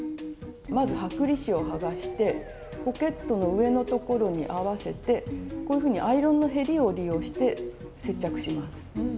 まず剥離紙を剥がしてポケットの上のところに合わせてこういうふうにアイロンのへりを利用して接着します。